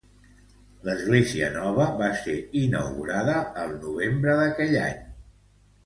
L'església nova va ser inaugurada el novembre d'aquell any.